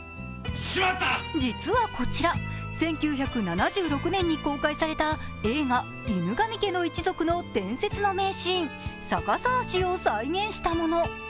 実はこちら、１９７６年に公開された映画「犬神家の一族」の伝説の名シーン、逆さ足を再現したもの。